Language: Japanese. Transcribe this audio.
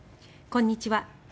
こんにちは。